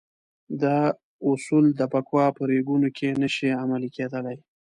دا اصول د بکواه په ریګونو کې نه شي عملي کېدلای.